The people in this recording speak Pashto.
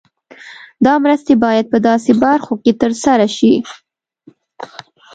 دا مرستې باید په داسې برخو کې تر سره شي.